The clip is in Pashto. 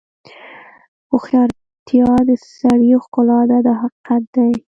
هوښیارتیا د سړي ښکلا ده دا حقیقت دی.